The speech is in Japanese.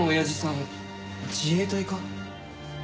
自衛隊か？